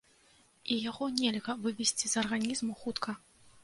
І яго нельга вывесці з арганізму хутка.